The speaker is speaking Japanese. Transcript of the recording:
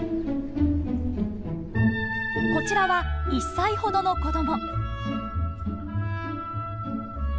こちらは１歳ほどの子ども。